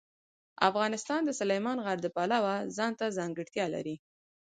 افغانستان د سلیمان غر د پلوه ځانته ځانګړتیا لري.